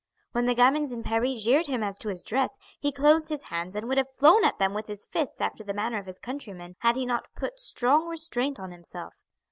When the gamins in Paris jeered him as to his dress, he closed his hands and would have flown at them with his fists after the manner of his countrymen had he not put strong restraint on himself.